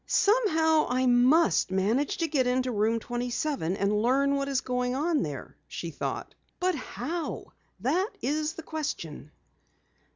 "Somehow I must manage to get into Room 27 and learn what is going on there," she thought. "But how? That is the question!"